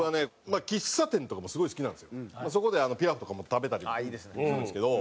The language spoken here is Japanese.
そこでピラフとかも食べたりするんですけど。